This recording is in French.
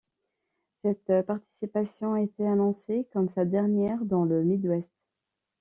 Cette participation a été annoncée comme sa dernière dans le Midwest.